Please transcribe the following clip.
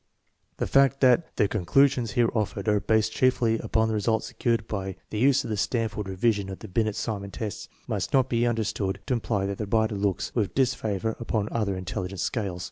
The fact that the conclusions here offered are based chiefly upon results secured by the use of the Stanford Revision of the Binet Simon tests must not be under stood to imply that the writer looks with disfavor upon other intelligence scales.